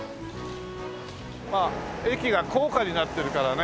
駅が高架になってるからね。